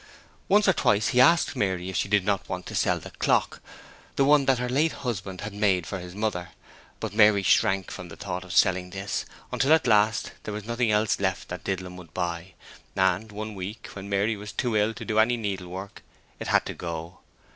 Once or twice he asked Mary if she did not want to sell the clock the one that her late husband had made for his mother, but Mary shrank from the thought of selling this, until at last there was nothing else left that Didlum would buy, and one week, when Mary was too ill to do any needlework it had to go.